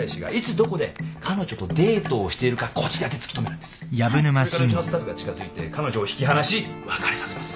それからうちのスタッフが近づいて彼女を引き離し別れさせます。